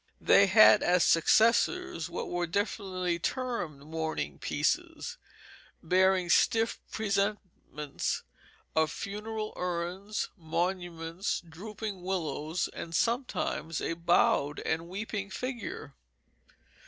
They had as successors what were definitely termed "mourning pieces," bearing stiff presentments of funeral urns, monuments, drooping willows, and sometimes a bowed and weeping figure.